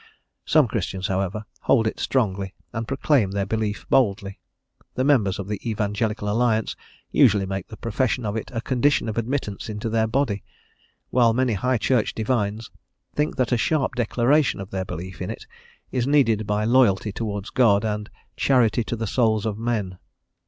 Some Christians, however, hold it strongly, and proclaim their belief boldly; the members of the Evangelical Alliance actually make the profession of it a condition of admittance into their body, while many High Church divines think that a sharp declaration of their belief in it is needed by loyalty towards God and "charity to the souls of men."